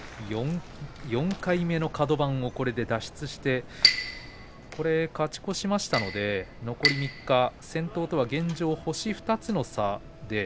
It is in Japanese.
４回目のカド番もこれで脱出してこれ、勝ち越しましたので残り３日で先頭と現状、星２つの差